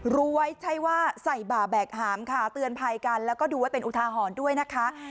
รู้ไว้ใช่ว่าใส่บ่าแบกหามค่ะเตือนภัยกันแล้วก็ดูไว้เป็นอุทาหรณ์ด้วยนะคะ